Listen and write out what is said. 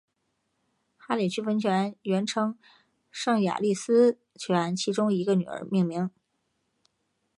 哈里逊温泉原称圣雅丽斯泉其中一个女儿命名。